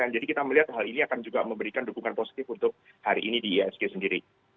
jadi kita melihat hal ini akan juga memberikan dukungan positif untuk hari ini di ihsg sendiri